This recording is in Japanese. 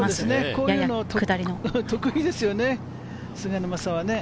こういうの得意ですよね、菅沼さんは。